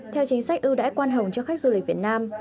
theo chính sách ưu đãi quan hồng cho khách du lịch việt nam